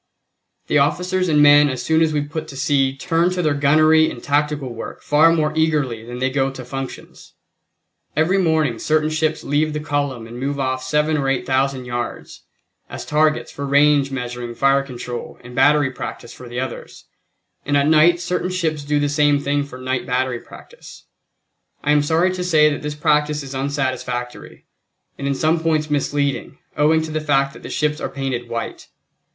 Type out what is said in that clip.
The officers and men as soon as we put to sea turn to their gunnery and tactical work far more eagerly than they go to functions. Every morning certain ships leave the column and move off seven or eight thousand yards as targets for range measuring fire control and battery practice for the others, and at night certain ships do the same thing for night battery practice. I am sorry to say that this practice is unsatisfactory, and in some points misleading, owing to the fact that the ships are painted white.